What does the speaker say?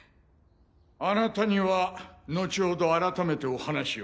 あなたには後ほど改めてお話を。